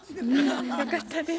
よかったです。